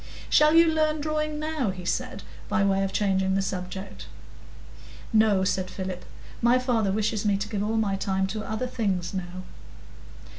"Shall you learn drawing now?" he said, by way of changing the subject. "No," said Philip. "My father wishes me to give all my time to other things now."